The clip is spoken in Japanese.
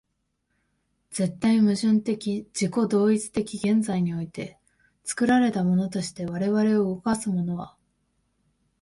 絶対矛盾的自己同一的現在において、作られたものとして我々を動かすものは、